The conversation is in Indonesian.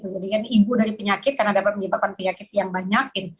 jadi ini ibu dari penyakit karena dapat menyebabkan penyakit yang banyak